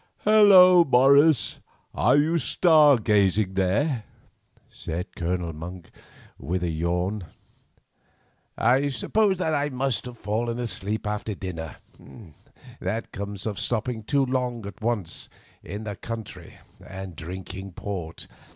"Hullo! Morris, are you star gazing there?" said Colonel Monk, with a yawn. "I suppose that I must have fallen asleep after dinner—that comes of stopping too long at once in the country and drinking port.